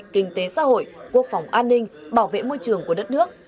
kinh tế xã hội quốc phòng an ninh bảo vệ môi trường của đất nước